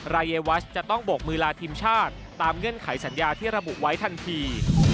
รายวัชจะต้องโบกมือลาทีมชาติตามเงื่อนไขสัญญาที่ระบุไว้ทันที